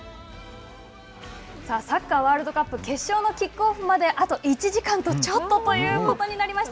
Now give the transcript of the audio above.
サッカーワールドカップ決勝のキックオフまであと１時間とちょっとということになりました。